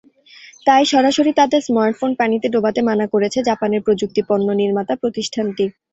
তাই সরাসরি তাদের স্মার্টফোন পানিতে ডোবাতে মানা করেছে জাপানের প্রযুক্তিপণ্য নির্মাতা প্রতিষ্ঠানটি।